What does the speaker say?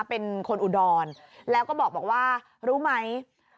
เป็นคนอุดรแล้วก็บอกว่ารู้ไหม